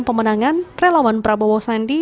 pemenangan relawan prabowo sandi